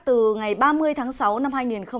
từ ngày ba mươi tháng sáu năm hai nghìn một mươi năm